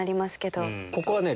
ここはね